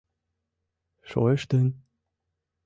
Шойыштын?..